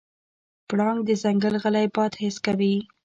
پړانګ د ځنګل غلی باد حس کوي.